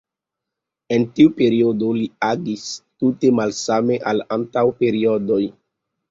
En tiu periodo, li agis tute malsame al antaŭaj periodoj.